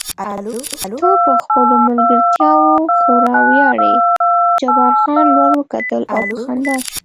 ته په خپلو نیمګړتیاوو خورا ویاړې، جبار خان لوړ وکتل او په خندا شو.